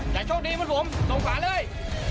อยากโชคดีเหมือนผมส่งฝาเลย